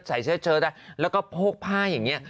ใส่เสื้อเชิดแล้วก็โพกผ้าอย่างนี้